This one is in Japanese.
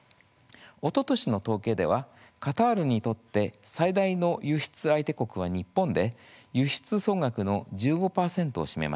おととしの統計ではカタールにとって最大の輸出相手国は日本で輸出総額の１５％を占めました。